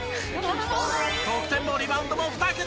得点もリバウンドも２桁。